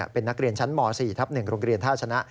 เป็นนักเรียนชั้นม๔ทับ๑โรงเรียนท่าชนะ